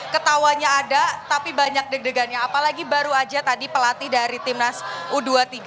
ketawanya ada tapi banyak deg degannya apalagi baru aja tadi pelatih dari timnas u dua puluh tiga